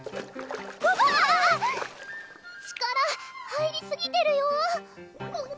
力入りすぎてるよ